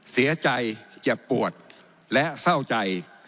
เสียใจเจ็บปวดและเศร้าใจ